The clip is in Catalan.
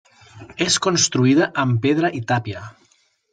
És construïda amb pedra i tàpia.